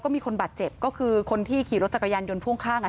มีคนบาดเจ็บก็คือคนที่ขี่รถจักรยานยนต์พ่วงข้างอ่ะ